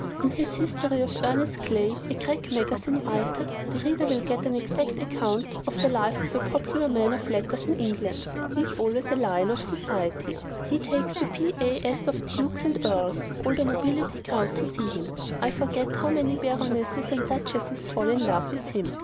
In his 'History of Ernest Clay,' a crack magazine writer, the reader will get an exact account of the life of a popular man of letters in England. He is always the lion of society. He takes the PAS of dukes and earls; all the nobility crowd to see him: I forget how many baronesses and duchesses fall in love with him.